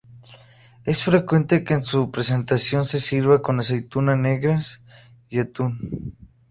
Es frecuente que en su presentación se sirva con aceituna negras y atún.